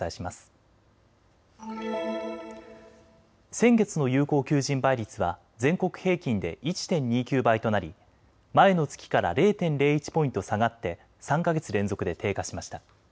先月の有効求人倍率は全国平均で１．２９倍となり前の月から０．０１ポイント下がって３か月連続で低下しました。